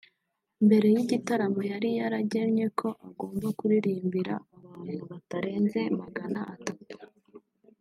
Mbere y’igitaramo yari yaragennye ko agomba kuririmbira abantu batarenze magana atatu